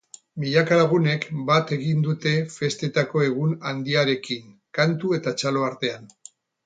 Milaka lagunek bat egin dute festetako egun handiarekin, kantu eta txalo artean.